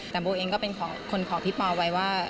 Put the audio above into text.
แต่โบเองก็เป็นคนของพี่ปอไว้ว่า